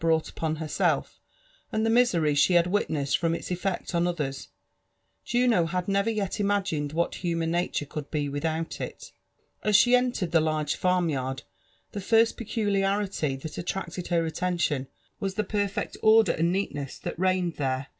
brought ilpoo herself, add the oiisery she had witnessed from its effeets oa Others, Juno had never yet imagined what human nature eoftid be without it« As she enlered the large farm yard, the first peeuliarity that attracted her attention was the perfect order and neatness thai that reigned there.